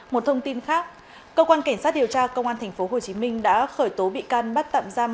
một thông tin khác cơ quan cảnh sát điều tra công an tp hcm đã khởi tố bị can bắt tạm giam